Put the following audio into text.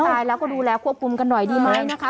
ตายแล้วก็ดูแลควบคุมกันหน่อยดีไหมนะคะ